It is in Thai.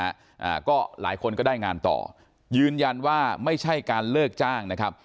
อ่าก็หลายคนก็ได้งานต่อยืนยันว่าไม่ใช่การเลิกจ้างนะครับ